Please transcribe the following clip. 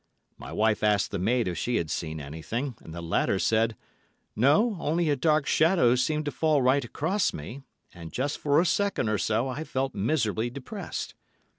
My wife asked the maid if she had seen anything, and the latter said, 'No, only a dark shadow seemed to fall right across me, and just for a second or so I felt miserably depressed.